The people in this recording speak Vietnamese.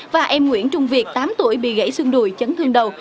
và em nguyễn trung việt tám tuổi bị gãy xương đùi chấn thương đầu